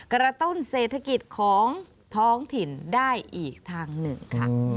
กระตุ้นเศรษฐกิจของท้องถิ่นได้อีกทางหนึ่งค่ะ